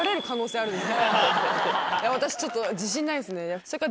私ちょっと自信ないですね。